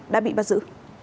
đã bị bắt giữ